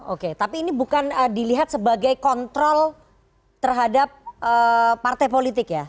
oke tapi ini bukan dilihat sebagai kontrol terhadap partai politik ya